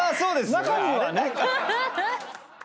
中にはね。